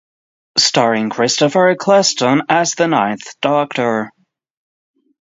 Starring Christopher Eccleston as the Ninth Doctor.